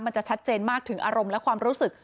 มันจะชัดเจนมากถึงอารมณ์และความรู้สึก